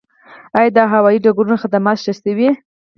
آیا د هوایي ډګرونو خدمات ښه شوي؟